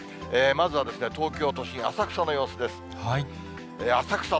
まずは東京都心、浅草の様子です。